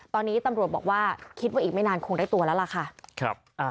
ตอนนี้ตำรวจบอกว่าคิดว่าอีกไม่นานคงได้ตัวแล้วล่ะค่ะ